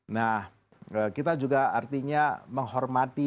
nah kita juga artinya menghormati